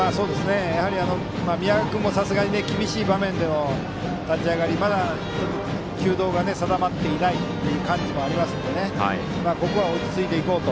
やはり宮川君もさすがに厳しい場面での立ち上がりでまだ球道が定まっていない感じもありますのでここは落ち着いていこうと。